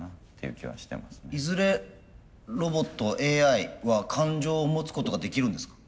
いずれロボットＡＩは感情を持つことができるんですか？